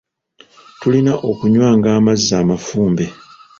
Tulina okunywanga amazzi amafumbe.